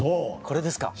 これですか。